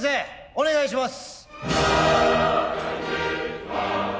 お願いします。